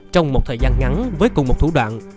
trong một thời gian ngắn với cùng một thủ đoạn